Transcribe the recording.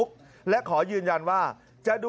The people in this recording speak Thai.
สมัยไม่เรียกหวังผม